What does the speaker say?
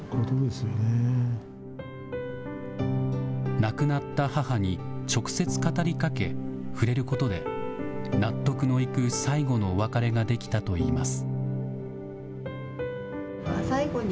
亡くなった母に、直接語りかけ、触れることで、納得のいく最後のお別れができたといいます。